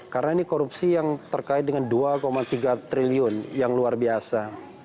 karena ini korupsi yang terkait dengan dua tiga triliun yang luar biasa